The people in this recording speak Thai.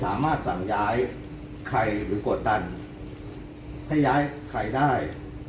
สามารถสั่งย้ายใครหรือกดดันให้ย้ายใครได้